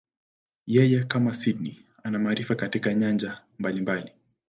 Yeye, kama Sydney, ana maarifa katika nyanja mbalimbali.